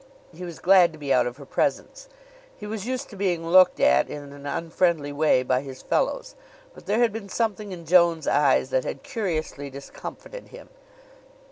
He was glad to be out of her presence. He was used to being looked at in an unfriendly way by his fellows, but there had been something in Joan's eyes that had curiously discomfited him.